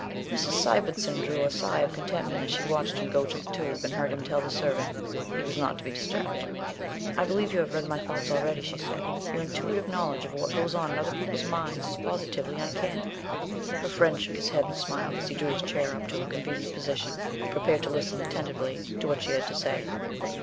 Mrs. Sivendson drew a sigh of contentment as she watched him go to the tube and heard him tell the servant he was not to be disturbed. "I believe you have read my thoughts already," she said; "your intuitive knowledge of what goes on in other people's minds is positively uncanny." Her friend shook his head and smiled as he drew his chair up to a convenient position and prepared to listen attentively to what she had to say.